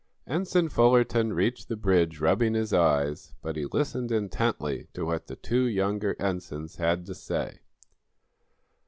Ensign Fullerton reached the bridge rubbing his eyes, but he listened intently to what the two younger ensigns had to say.